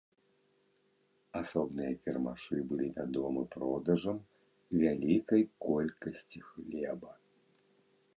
Асобныя кірмашы былі вядомы продажам вялікай колькасці хлеба.